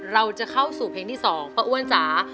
เราจะเข้าสู่เพลงที่๒ป้าอ้วนจ๋า